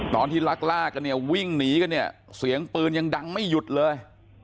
ตอนที่ลักล่ากันเนี่ยวิ่งหนีกันเนี่ยเสียงปืนยังดังไม่หยุดเลย